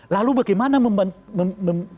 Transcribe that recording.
lalu bagaimana membantu